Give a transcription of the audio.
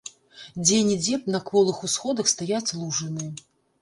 Дзе-нідзе на кволых усходах стаяць лужыны.